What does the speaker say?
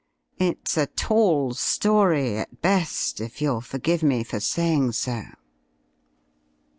It's a tall story at best, if you'll forgive me for saying so."